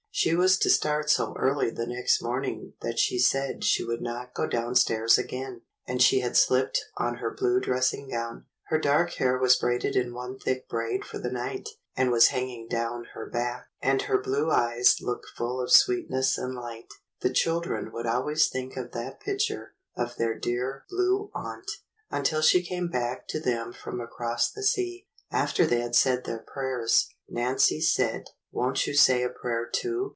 She was to start so early the next morning that she said she would not go downstairs again, and she had shpped on her blue dressing gown. Her dark hair was braided in one thick braid for the night, and was hanging down her back, 142 THE BLUE AUNT and her blue eyes looked full of sweetness and light. The children would always think of that picture of their dear Blue Aunt, until she came back to them from across the sea. After they had said their prayers, Nancy said, "Won't you say a prayer too.